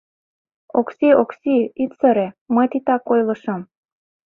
Окси, Окси, ит сыре, мый титак ойлышым!..